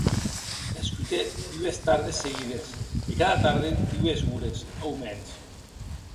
Escotè dues tardes seguides, e cada tarde dues ores, aumens.